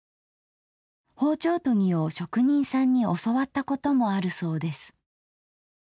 包丁研ぎを職人さんに教わったこともあるそうです。